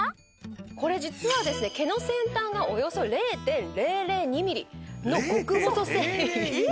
これ実は毛の先端がおよそ０．００２ｍｍの極細繊維。